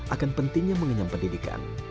akan pentingnya mengenyam pendidikan